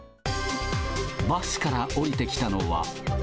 バスから降りてきたのは。